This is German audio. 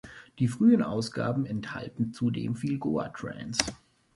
Die frühen Ausgaben enthalten zudem viel Goa-Trance.